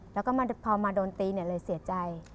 แล้วก็พอมาโดนตีเลยเสียใจ